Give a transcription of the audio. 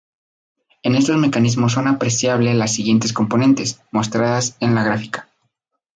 En estos mecanismos son apreciable las siguientes componentes mostradas en la gráfica.